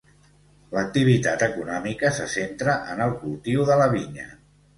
L'activitat econòmica se centra en el cultiu de la vinya.